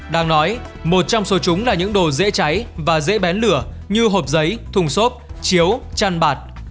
đang nói một trong số chúng là những đồ dễ cháy và dễ bén lửa như hộp giấy thùng xốp chiếu chăn bạt